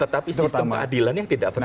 tetapi sistem keadilan yang tidak benar